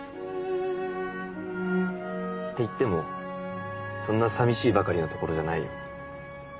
っていってもそんなさみしいばかりの所じゃないよ。